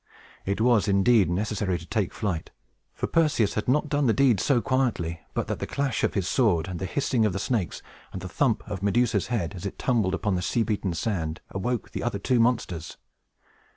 It was, indeed, necessary to take flight; for Perseus had not done the deed so quietly but that the clash of his sword, and the hissing of the snakes, and the thump of Medusa's head as it tumbled upon the sea beaten sand, awoke the other two monsters.